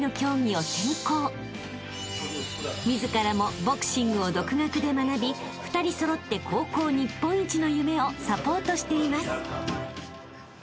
［自らもボクシングを独学で学び２人揃って高校日本一の夢をサポートしています］